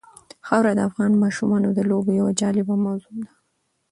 خاوره د افغان ماشومانو د لوبو یوه جالبه موضوع ده.